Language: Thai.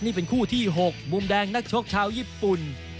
นี่เป็นคู่ที่๖มุมแดงนักชกชาวญี่ปุ่น